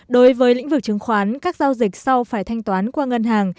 đối với lĩnh vực chứng khoán các giao dịch sau phải thanh toán qua ngân hàng